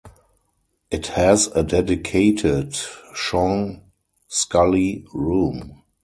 It has a dedicated Sean Scully room.